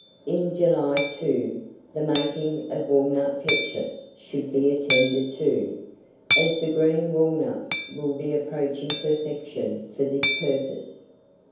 In July, too, the making of walnut ketchup should be attended to, as the green walnuts will be approaching perfection for this purpose.